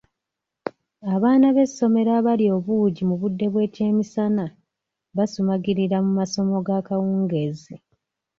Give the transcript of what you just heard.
Abaana b'essomero abalya obuugi mu budde bw'ekyemisana basumagirira mu masomo g'akawungeezi.